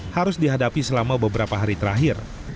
harus dihadapi selama beberapa hari terakhir